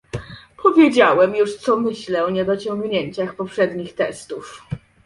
Powiedziałem już, co myślę o niedociągnięciach poprzednich testów